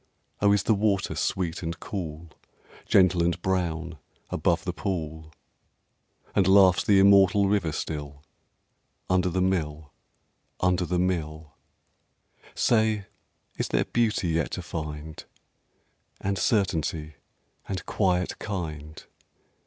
Oh, is the water sweet and cool, Gentle and brown, above the pool? And laughs the immortal river still Under the mill, under the mill? Say, is there Beauty yet to find? And Certainty? and Quiet kind?